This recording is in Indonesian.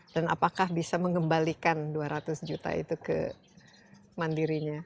dan apakah bisa mengembalikan dua ratus juta itu ke mandirinya